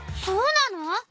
そうなの？